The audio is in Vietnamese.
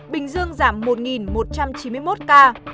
bình dương giảm một một trăm chín mươi một ca